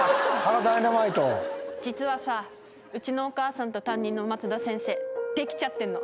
実はさうちのお母さんと担任のマツダ先生できちゃってんの。